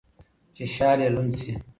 چي شال يې لوند سي